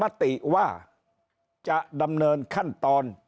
สารก็จะมีมติว่าจะดำเนินขั้นตอนพิจารณา